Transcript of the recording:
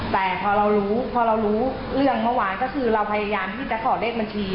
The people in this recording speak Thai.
แต่พอเรารู้พอเรารู้เรื่องเมื่อวานก็คือเราพยายามที่จะขอเลขบัญชี